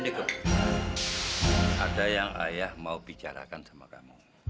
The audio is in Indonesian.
ngediq'm ini ndiko ada yang ayah mau bicarakan sama kamu